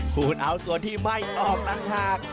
คุณเอาส่วนที่ไม่ออกต่างหาก